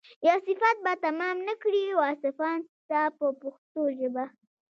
یو صفت به تمام نه کړي واصفان ستا په پښتو ژبه.